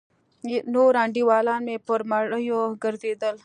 نور انډيوالان مې پر مړيو گرځېدل.